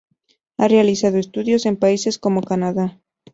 Ha realizado estudios en países como Canadá.